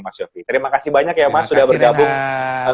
mas yofi terima kasih banyak ya mas sudah bergabung